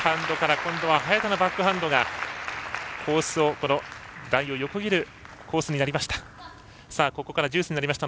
今度は早田のバックハンドが台を横切るコースになりました。